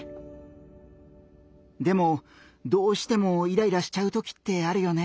でもどうしてもイライラしちゃうときってあるよね？